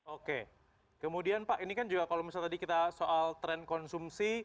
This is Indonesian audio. oke kemudian pak ini kan juga kalau misalnya tadi kita soal tren konsumsi